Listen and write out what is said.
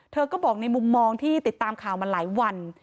เธอก็บอกในมุมมองที่ติดตามข่าวมาหลายวัน